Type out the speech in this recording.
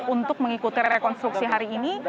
untuk mengikuti rekonstruksi hari ini